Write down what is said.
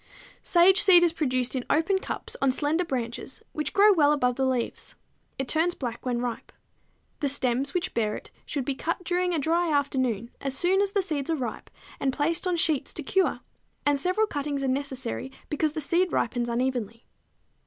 Sage seed is produced in open cups on slender branches, which grow well above the leaves. It turns black when ripe. The stems which bear it should be cut during a dry afternoon as soon as the seeds are ripe and placed on sheets to cure; and several cuttings are necessary, because the seed ripens unevenly.